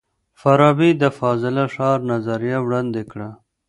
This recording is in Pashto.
فارابي د فاضله ښار نظریه وړاندې کړه.